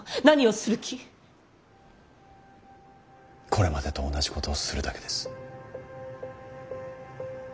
これまでと同じことをするだけです。